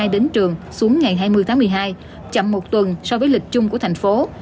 đến trường xuống ngày hai mươi tháng một mươi hai chậm một tuần so với lịch chung của thành phố